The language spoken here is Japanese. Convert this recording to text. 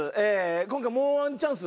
今回もうワンチャンス。